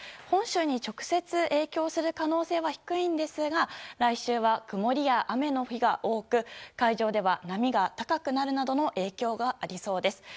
本州に直接影響する可能性は低いですが来週は曇りや雨の日が多く海上では波が高くなるなどの影響がありそうです。